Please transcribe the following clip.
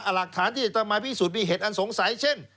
หลักฐานที่จะมาพิสูจนมีเหตุอันสงสัยเช่น